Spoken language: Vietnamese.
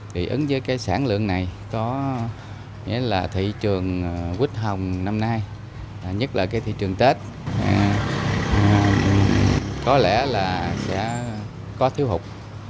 thì ứng với cái sản lượng này có nghĩa là thị trường quyết hồng năm nay nhất là cái thị trường tết có lẽ là sẽ có thiếu hụt